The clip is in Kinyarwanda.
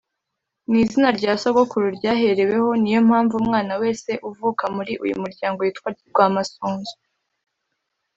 N’izina rya sogokuru ryahereweho niyo mpamvu umwana wese uvuka muri uyu muryango yitwa rwamasunzu.